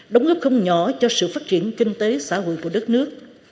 đóng góp không nhỏ cho sự phát triển kinh tế xã hội của đất nước